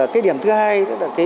cái điểm thứ hai